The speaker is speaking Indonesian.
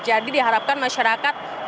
jadi diharapkan masyarakat